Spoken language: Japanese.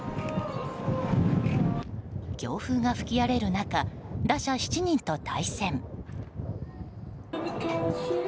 強風が吹き荒れる中打者７人と対戦。